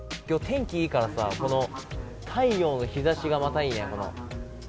今日、天気いいからさ、太陽の日ざしがまたいいね。